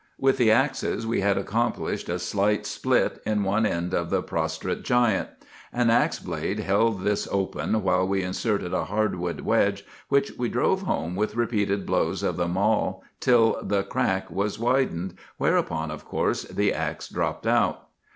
"With the axes we had accomplished a slight split in one end of the prostrate giant. An axe blade held this open while we inserted a hardwood wedge, which we drove home with repeated blows of the mall till the crack was widened, whereupon, of course, the axe dropped out.